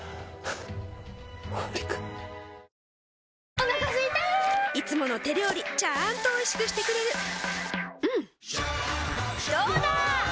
お腹すいたいつもの手料理ちゃんとおいしくしてくれるジューうんどうだわ！